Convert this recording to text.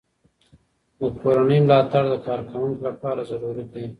د کورنۍ ملاتړ د کارکوونکو لپاره ضروري دی.